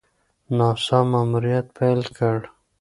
ناسا ماموریت پیل کړی.